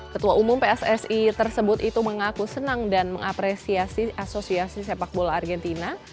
ketua umum pssi tersebut itu mengaku senang dan mengapresiasi asosiasi sepak bola argentina